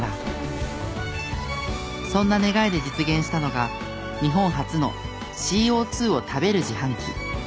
そんな願いで実現したのが日本初のＣＯ２を食べる自販機。